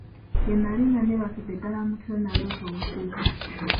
Bwe nnali nga neebakidde ddala mu ttulo, naloota omusezi.